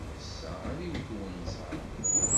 Ass-a, ad iwet unẓar.